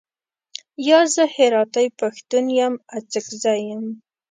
یا، زه هراتۍ پښتون یم، اڅګزی یم.